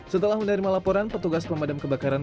setelah menerima laporan petugas pemadam kebakaran